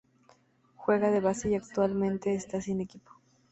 Juega de base y actualmente está sin equipo.